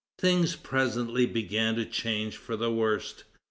Things presently began to change for the worse.